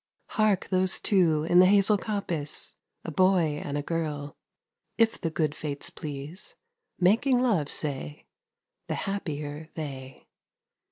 Hark, those two in the hazel coppice 5 A boy and a girl, if the good fates please, Making love, say, The happier they!